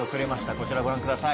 こちらご覧ください。